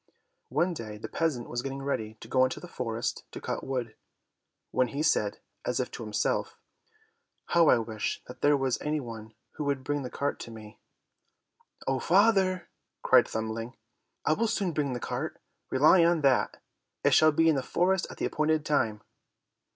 One day the peasant was getting ready to go into the forest to cut wood, when he said as if to himself, "How I wish that there was any one who would bring the cart to me!" "Oh father," cried Thumbling, "I will soon bring the cart, rely on that; it shall be in the forest at the appointed time."